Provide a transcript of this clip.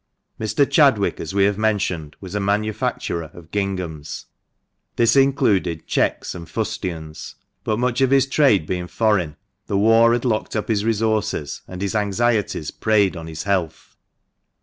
Mr. Chadwick, as we have mentioned, was a manufacturer of ginghams — this included checks and fustians ; but much of his trade being foreign, the war had locked up his resources, and his anxieties preyed on his health.